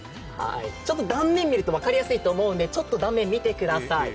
断面を見ると分かりやすいと思うので断面見てください。